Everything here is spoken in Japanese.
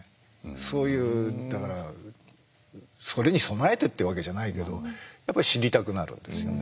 そういうだからそれに備えてってわけじゃないけどやっぱり知りたくなるんですよね。